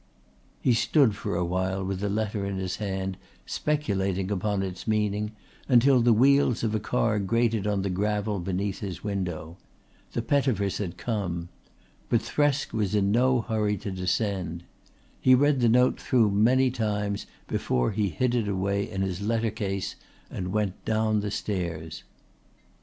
He stood for a while with the letter in his hand, speculating upon its meaning, until the wheels of a car grated on the gravel beneath his window. The Pettifers had come. But Thresk was in no hurry to descend. He read the note through many times before he hid it away in his letter case and went down the stairs.